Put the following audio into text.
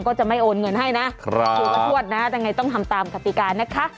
ก็จะไม่โอนเงินให้นะก็จะผลัดพวทนะต้องทำตามกติการนะคะ